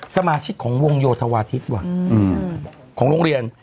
สมาชิกของวงโยธวาทิศว่ะของโรงเรียน